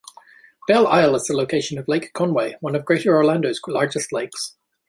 Belle Isle is the location of Lake Conway, one of Greater Orlando's largest lakes.